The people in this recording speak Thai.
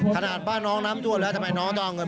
ขนาดบ้านน้องน้ำท่วมแล้วทำไมน้องต้องเอาเงิน